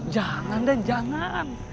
jangan den jangan